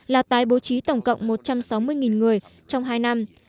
là tái bố trí tổng cộng một trăm sáu mươi người trong hai năm